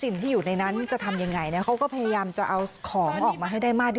ในห้องโดนในบ้าน